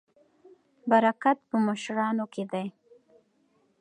برکت په مشرانو کې دی.